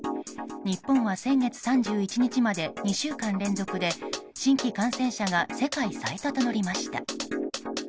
日本は先月３１日まで２週間連続で新規感染者が世界最多となりました。